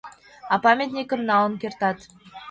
А памятникым налын кертат.